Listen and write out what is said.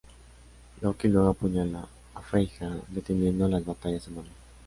Loki luego apuñala a Freyja deteniendo las batallas a mano.